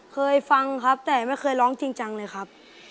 เคยฟังครับแต่ไม่เคยร้องจริงจังเลยครับ